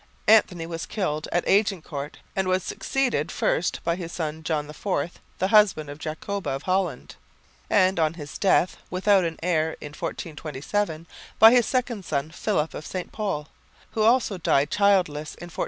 Anthony was killed at Agincourt and was succeeded first by his son John IV, the husband of Jacoba of Holland, and on his death without an heir in 1427, by his second son, Philip of St Pol, who also died childless in 1430.